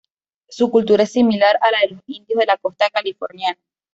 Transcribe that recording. Su cultura es similar a la de los indios de la costa californiana.